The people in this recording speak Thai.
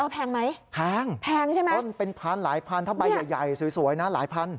แพงไหมแพงแพงใช่ไหมต้นเป็นพันหลายพันถ้าใบใหญ่สวยนะหลายพัน